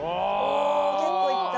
結構いった。